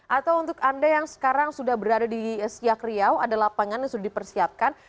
atau untuk anda yang sekarang sudah berada di siak riau ada lapangan yang sudah dipersiapkan